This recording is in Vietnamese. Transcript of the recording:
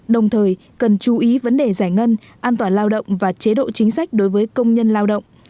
đồng thời cần chú ý vấn đề giải ngân an toàn lao động và chế độ chính sách đối với công nhân lao động